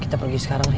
kita pergi sekarang ri